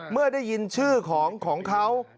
เมื่อได้ยินชื่อของเขา